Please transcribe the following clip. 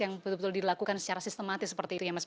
yang betul betul dilakukan secara sistematis seperti itu ya mas